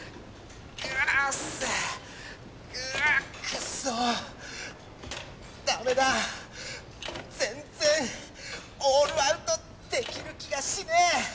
グーッウックソダメだ全然オールアウトできる気がしねえ。